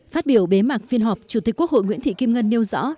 phát biểu bế mạc phiên họp chủ tịch quốc hội nguyễn thị kim ngân nêu rõ